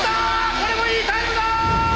これもいいタイムだ！